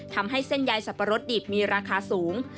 ทำให้เส้นใยสับปะรดดิบมีราคาสูง